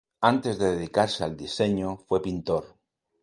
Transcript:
Antes de dedicarse al diseño, fue pintor.